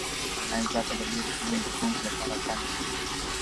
انلاين زده کړه د لېرې سيمو زده کوونکو لپاره آسانه شوه.